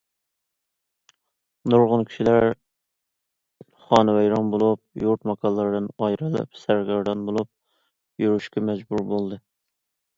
نۇرغۇن كىشىلەر خانىۋەيران بولۇپ، يۇرت ماكانلىرىدىن ئايرىلىپ سەرگەردان بولۇپ يۈرۈشكە مەجبۇر بولدى.